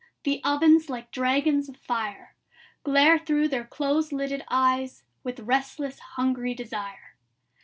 The ovens like dragons of fire Glare thro' their close lidded eyes With restless hungry desire.